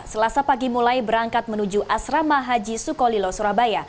selasa pagi mulai berangkat menuju asrama haji sukolilo surabaya